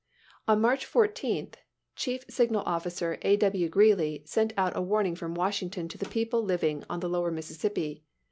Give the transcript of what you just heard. On March 14, Chief Signal Officer A. W. Greeley sent out a warning from Washington to the people living on the lower Mississippi.